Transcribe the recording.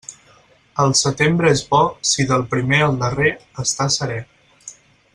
El setembre és bo si del primer al darrer està serè.